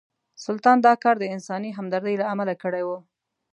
سلطان دا کار د انساني همدردۍ له امله کړی و.